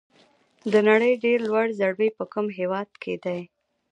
د نړۍ ډېر لوړ ځړوی په کوم هېواد کې دی؟